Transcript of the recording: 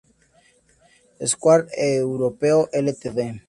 Square Europe, Ltd.